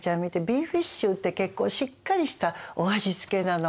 ビーフシチューって結構しっかりしたお味付けなの。